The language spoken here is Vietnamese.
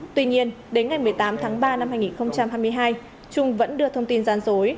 tuy nhiên đến ngày một mươi tám tháng ba năm hai nghìn hai mươi hai trung vẫn đưa thông tin gian dối